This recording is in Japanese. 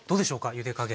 ゆで加減。